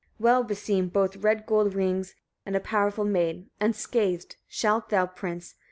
well beseem both red gold rings and a powerful maid: unscathed shalt thou, prince!